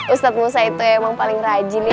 ustadz musa itu emang paling rajin ya